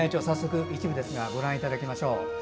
早速、一部ですがご覧いただきましょう。